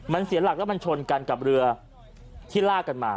มันเสียหลักแล้วมันชนกันกับเรือที่ลากกันมา